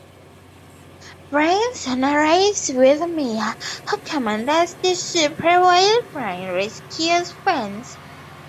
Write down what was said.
Brian soon arrives with Mia, who commandeers the Supra while Brian rescues Vince.